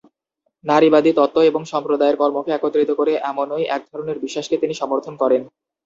নারীবাদী তত্ত্ব এবং সম্প্রদায়ের কর্মকে একত্রিত করে, এমনই এক ধরনের বিশ্বাসকে তিনি সমর্থন করেন।